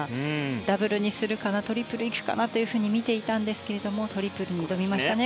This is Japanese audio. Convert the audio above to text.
ダブルにするかトリプルにするか見ていましたがトリプルに挑みましたね。